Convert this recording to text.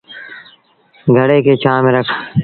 گھڙي کي ڇآنه ميݩ رک۔